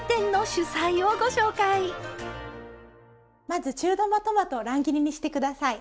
まず中玉トマトを乱切りにして下さい。